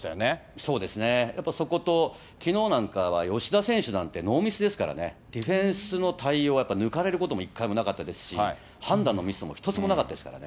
そうですね、やっぱそこと、きのうなんかは、吉田選手なんてノーミスですからね、ディフェンスの対応がやっぱ、抜かれることも１回もなかったですし、判断のミスも一つもなかったですからね。